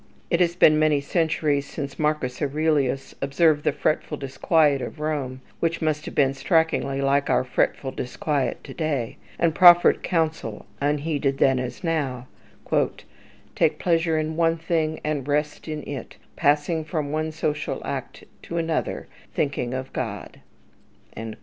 It has been many centuries since Marcus Aurelius observed the fretful disquiet of Rome, which must have been strikingly like our fretful disquiet to day, and proffered counsel, unheeded then as now: "Take pleasure in one thing and rest in it, passing from one social act to another, thinking of God."